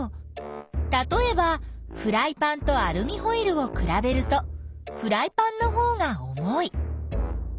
たとえばフライパンとアルミホイルをくらべるとフライパンのほうが重い。